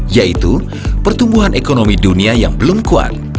yaitu pertumbuhan ekonomi dunia yang belum kuat